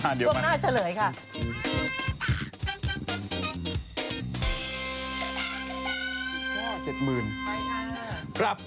จากกระแสของละครกรุเปสันนิวาสนะฮะ